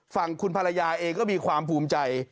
ฝั่งคุณภรรยาเองก็มีความภูมิใจ